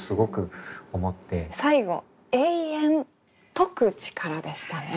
最後「永遠解く力」でしたね。